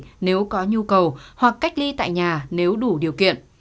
các bệnh viện tư nhân nhất định có nhu cầu hoặc cách ly tại nhà nếu đủ điều kiện